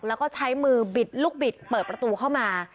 แล้วก็ใช้มือบิดลูกบิดเปิดประตูเข้ามา